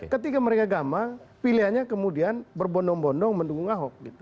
ketika mereka gama pilihannya kemudian berbondong bondong mendungung ahok